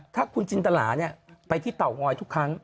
ถ้าคุณจินตลาไปที่เตางอยทุกครั้ง